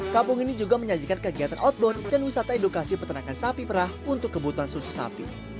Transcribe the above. kampung ini juga menyajikan kegiatan outbound dan wisata edukasi peternakan sapi perah untuk kebutuhan susu sapi